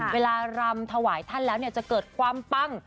รำถวายท่านแล้วจะเกิดความปัง